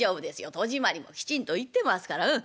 戸締まりもきちんと言ってますからうん。